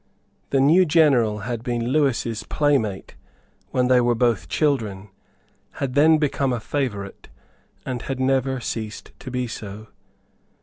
The new general had been Lewis's playmate when they were both children, had then become a favourite, and had never ceased to be so.